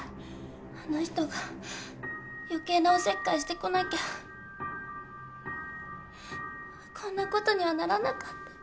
あの人が余計なおせっかいしてこなきゃこんな事にはならなかった。